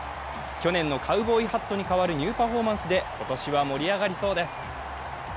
去年のカウボーイハットに代わるニューパフォーマンスで今年は盛り上がりそうです。